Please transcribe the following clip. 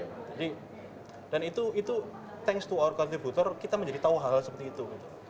jadi dan itu thanks to our contributor kita menjadi tahu hal hal seperti itu